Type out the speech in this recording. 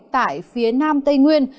tại phía nam tây nguyên